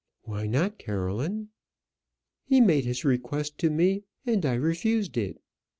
"Why not, Caroline?" "He made his request to me, and I refused it.